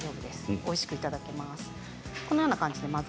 おいしくいただけます。